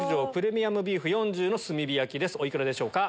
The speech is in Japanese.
お幾らでしょうか？